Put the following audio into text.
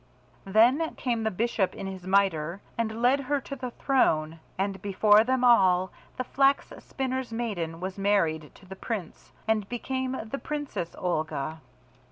Then came the bishop in his mitre, and led her to the throne, and before them all the Flax spinner's maiden was married to the Prince, and made the Princess Olga.